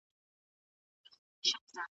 زه ځواب ليکلی دی،